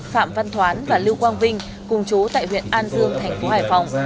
phạm văn thoáng và lưu quang vinh cùng chú tại huyện an dương thành phố hải phòng